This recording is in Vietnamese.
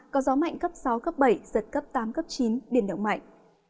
có gió mạnh cấp sáu cấp bảy giật cấp tám cấp chín biển động mạnh